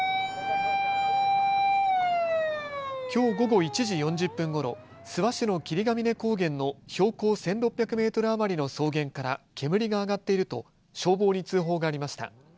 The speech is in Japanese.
きょう午後１時４０分ごろ、諏訪市の霧ヶ峰高原の標高１６００メートル余りの草原から煙が上がっていると消防に通報がありました。